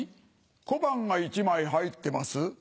小判が１枚入ってます？